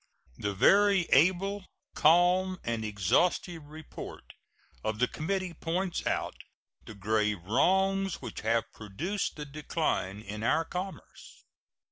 The very able, calm, and exhaustive report of the committee points out the grave wrongs which have produced the decline in our commerce.